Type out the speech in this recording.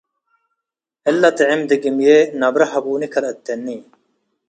እለ ጥዕም ድግምዬ ነብረ ሀቡኒ ከልአትኒ።